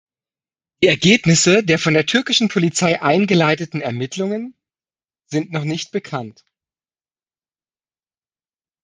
Die Ergebnisse der von der türkischen Polizei eingeleiteten Ermittlungen sind noch nicht bekannt.